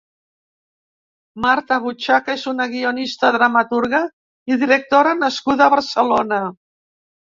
Marta Buchaca és una guionista, dramaturga i directora nascuda a Barcelona.